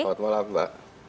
selamat malam mbak